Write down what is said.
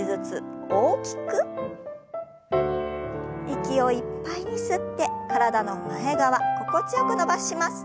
息をいっぱいに吸って体の前側心地よく伸ばします。